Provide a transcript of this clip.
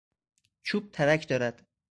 چوب ترک دارد.